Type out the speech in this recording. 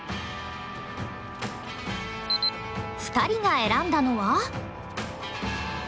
２人が選んだのは？